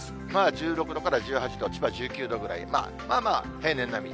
１６度から１８度、千葉１９度ぐらい、まあまあ平年並み。